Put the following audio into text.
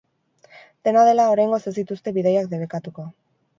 Dena dela, oraingoz ez dituzte bidaiak debekatuko.